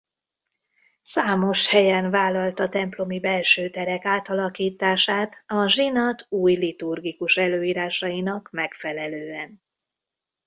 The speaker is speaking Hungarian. Számos helyen vállalta templomi belső terek átalakítását a zsinat új liturgikus előírásainak megfelelően.